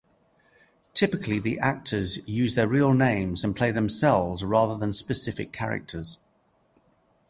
Typically, the actors use their real names and play themselves rather than specific characters.